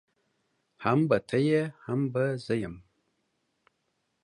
هم به ته يې هم به زه يم.